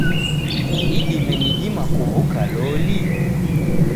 Idime nidima kuw'uka lolo?